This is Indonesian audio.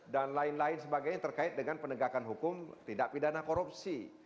lain lain sebagainya terkait dengan penegakan hukum tidak pidana korupsi